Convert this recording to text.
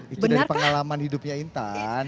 itu dari pengalaman hidupnya intan